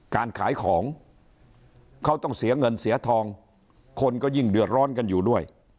การขายของเขาต้องเสียเงินเสียทองคนก็ยิ่งเดือดร้อนกันอยู่ด้วย